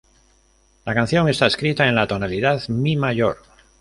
La canción está escrita en la tonalidad "mi" mayor.